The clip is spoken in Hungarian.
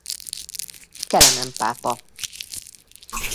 Kelemen pápa.